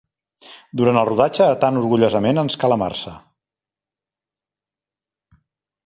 Durant el rodatge de tan orgullosament ens calamarsa!